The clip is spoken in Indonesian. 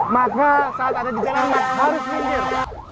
maka saat ada di jalan harus minggir